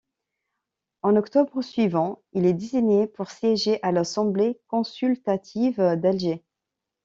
En octobre suivant, il est désigné pour siéger à l'Assemblée consultative d'Alger.